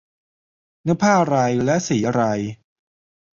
เนื้อผ้าอะไร และสีอะไร